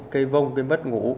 cây vông cây mất ngủ